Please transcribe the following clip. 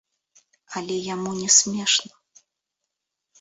Але яму не смешна.